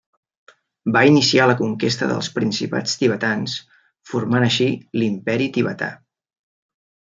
Va iniciar la conquesta dels principats tibetans, formant així l'Imperi tibetà.